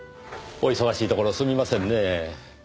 お忙しいところすみませんねぇ。